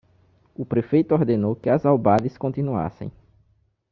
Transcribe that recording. O prefeito ordenou que as albades continuassem.